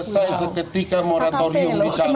selesai seketika moratorium dicabut